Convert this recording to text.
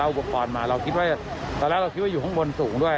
อุปกรณ์มาเราคิดว่าตอนแรกเราคิดว่าอยู่ข้างบนสูงด้วย